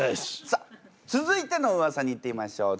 さあ続いてのウワサにいってみましょう。